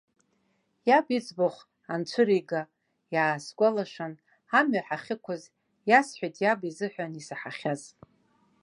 Иаб иӡбахә анцәырига, иаасгәалашәан, амҩа ҳахьықәыз, иасҳәеит иаб изыҳәан исаҳахьаз.